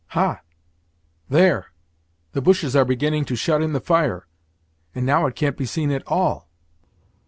Ha! there the bushes are beginning to shut in the fire and now it can't be seen at all!"